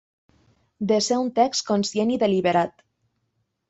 De ser un text conscient i deliberat.